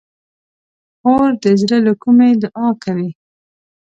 خور د زړه له کومي دعا کوي.